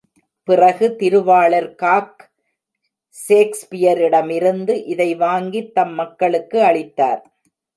பிறகு திருவாளர் காக், சேக்ஸ்பியரிடமிருந்து இதை வாங்கித் தம் மகளுக்கு அளித்தார்.